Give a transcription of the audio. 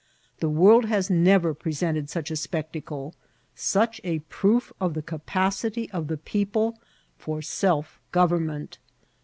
The world has never presented such a spectacle, such a proof of the capacity of the people for self government.